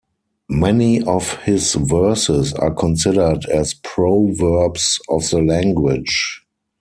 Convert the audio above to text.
Many of his verses are considered as proverbs of the language.